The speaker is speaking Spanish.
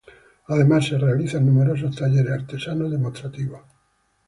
Además, se realizan numerosos talleres artesanos demostrativos.